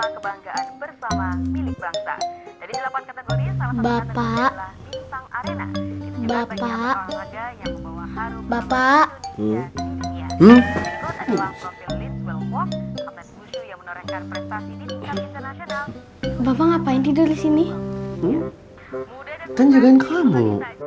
kan jagain kamu